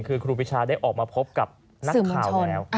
คือครูปีชาได้ออกมาพบกับนักข่าวแล้ว